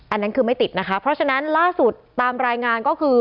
อันนั้นคือไม่ติดนะคะเพราะฉะนั้นล่าสุดตามรายงานก็คือ